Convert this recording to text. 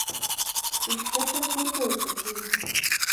چې ښکته پورته ورته کېږم -